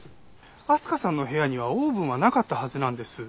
明日香さんの部屋にはオーブンはなかったはずなんです。